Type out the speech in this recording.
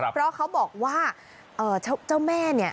เพราะเขาบอกว่าเจ้าแม่เนี่ย